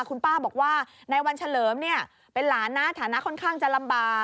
คุณป้าบอกว่านายวันเฉลิมเป็นหลานนะฐานะค่อนข้างจะลำบาก